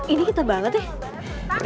ini kita banget ya